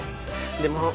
でも。